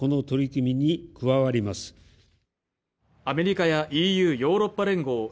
アメリカやＥＵ＝ヨーロッパ連合